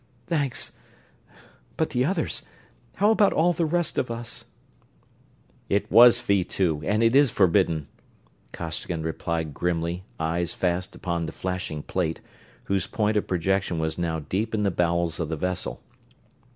Thanks but the others how about all the rest of us?" "It was Vee Two, and it is forbidden," Costigan replied grimly, eyes fast upon the flashing plate, whose point of projection was now deep in the bowels of the vessel.